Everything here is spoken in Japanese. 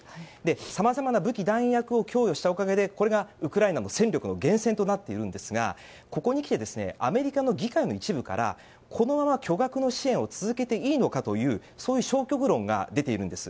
様々な武器弾薬を供与したことでこれがウクライナの戦力の源泉となっているんですがここに来てアメリカの議会の一部からこのまま巨額の支援を続けていいのかというそういう消極論が出ているんです。